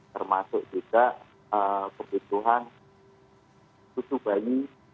termasuk juga kebutuhan susu bayi